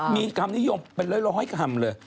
มีคำนิยมเป็นร้อยคำเลย